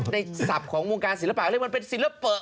ถ้าในศัพท์ของวงการศิลปะก็เรียกว่าเป็นศิลปะ